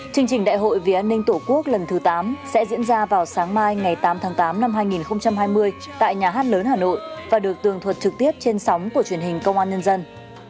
chương trình đại hội vì an ninh tổ quốc lần thứ tám sẽ diễn ra vào sáng mai ngày tám tháng tám năm hai nghìn hai mươi tại nhà hát lớn hà nội và được tường thuật trực tiếp trên sóng của truyền hình công an nhân dân